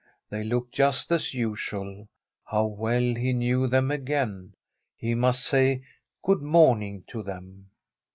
They looked just as usual. How well he knew them again I He must say * Good morning ' to them.